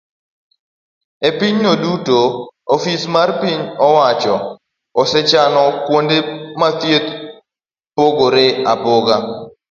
E pinyno duto, ofis mar piny owacho osechano kuonde thieth mopogore opogore